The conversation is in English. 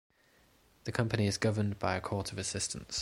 The Company is governed by a Court of Assistants.